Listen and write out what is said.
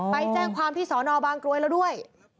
ไปแจ้งความที่สอนอบางกรวยแล้วด้วย